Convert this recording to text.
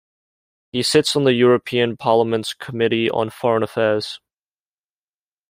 He sits on the European Parliament's Committee on Foreign Affairs.